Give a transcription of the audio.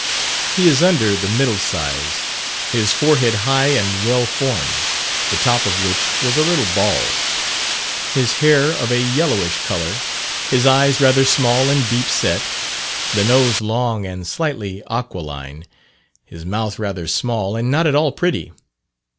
He is under the middle size, his forehead high and well formed, the top of which was a little bald; his hair of a yellowish colour, his eyes rather small and deep set, the nose long and slightly aquiline, his mouth rather small, and not at all pretty.